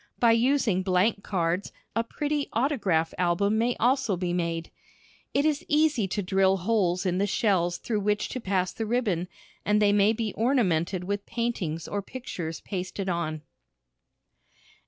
By using blank cards a pretty autograph album may be also made. It is easy to drill holes in the shells through which to pass the ribbon, and they may be ornamented with paintings or pictures pasted on.